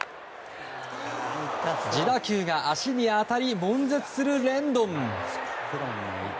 自打球が足に当たり悶絶するレンドン。